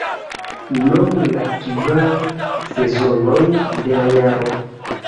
Nomu la kvar sezonojn de la jaro.